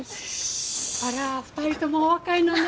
あら２人ともお若いのね。